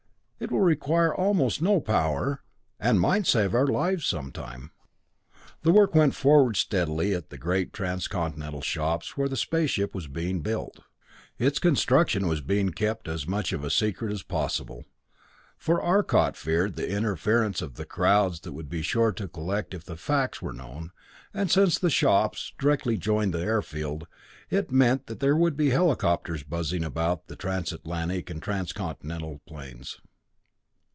It will require almost no power, and might save our lives some time." The work went forward steadily at the great Transcontinental Shops where the space ship was being built. Its construction was being kept as much of a secret as possible, for Arcot feared the interference of the crowds that would be sure to collect if the facts were known, and since the shops directly joined the airfield, it meant that there would be helicopters buzzing about the Transatlantic and Transcontinental planes.